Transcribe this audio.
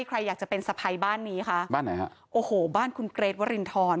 ใครอยากจะเป็นสะพายบ้านนี้คะบ้านไหนฮะโอ้โหบ้านคุณเกรทวรินทร